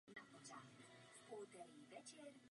Sporné zůstává zavedení přechodové kategorie.